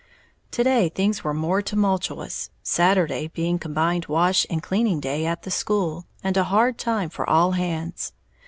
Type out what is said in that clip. To day things were more tumultuous, Saturday being combined wash and cleaning day at the school, and a hard time for all hands.